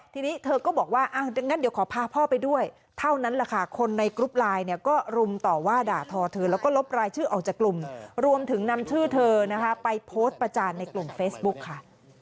ทีนี้เธอก็บอกว่างั้นเดี๋ยวขอพาพ่อไปด้วยเท่านั้นแหละค่ะคนในกรุ๊ปไลน์เนี่ยก็รุมต่อว่าด่าทอเธอแล้วก็ลบรายชื่อออกจากกลุ่มรวมถึงนำชื่อเธอนะคะไปโพสต์ประจานในกลุ่มเฟซบุ๊กค่ะ